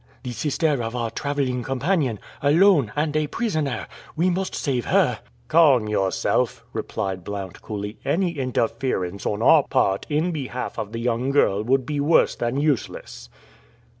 "The sister of our traveling companion alone, and a prisoner! We must save her." "Calm yourself," replied Blount coolly. "Any interference on our part in behalf of the young girl would be worse than useless."